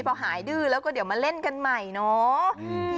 พอหายดื้อแล้วก็เดี๋ยวมาเล่นกันใหม่เนาะ